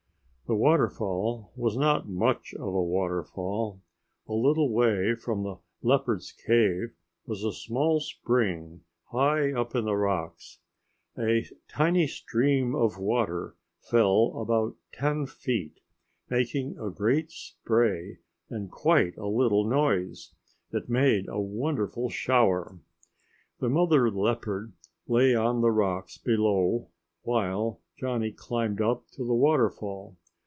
The waterfall was not much of a waterfall. A little way from the leopard's cave was a small spring high up in the rocks. A tiny stream of water fell about ten feet making a great spray and quite a little noise. It made a wonderful shower. The mother leopard lay on the rocks below while Johnny climbed up to the waterfall.